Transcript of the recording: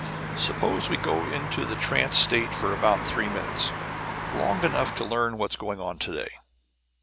"Suppose we go into the trance state for about three minutes long enough to learn what's going on today."